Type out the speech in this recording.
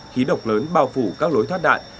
khí độc lớn bao phủ các lối thoát nạn